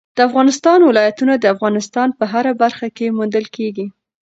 د افغانستان ولايتونه د افغانستان په هره برخه کې موندل کېږي.